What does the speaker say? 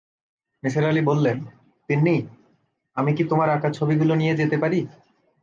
নিসার আলি বললেন, তিন্নি, আমি কি তোমার আঁকা ছবিগুলি নিয়ে যেতে পারি?